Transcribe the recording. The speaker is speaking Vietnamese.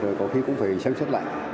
rồi có khi cũng phải sáng suất lại